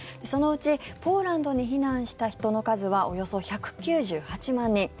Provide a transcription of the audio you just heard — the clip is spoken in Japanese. そのうちポーランドに避難した人の数はおよそ１９８万人。